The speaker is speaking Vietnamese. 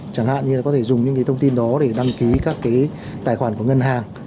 chẳng hạn như là có thể dùng những cái thông tin đó để đăng ký các cái tài khoản của ngân hàng